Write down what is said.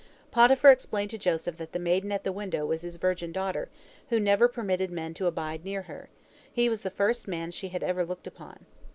Potiphar explained to Joseph that the maiden at the window was his virgin daughter, who never permitted men to abide near her; he was the first man she had ever looked upon.